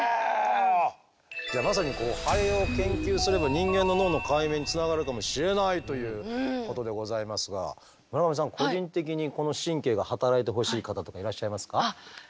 じゃあまさにハエを研究すれば人間の脳の解明につながるかもしれないということでございますが村上さん個人的にこの神経が働いてほしい方とかいらっしゃいますか？